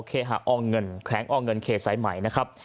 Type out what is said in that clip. เคหาอองเงินแข็งอองเงินเคสัยใหม่นะครับ